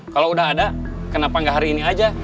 kalau udah ada kenapa nggak hari ini aja